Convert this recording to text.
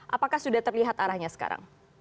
apakah sudah terlihat arahnya sekarang